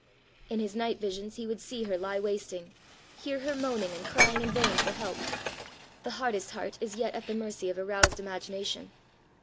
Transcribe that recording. In his night visions he would see her lie wasting, hear her moaning, and crying in vain for help: the hardest heart is yet at the mercy of a roused imagination.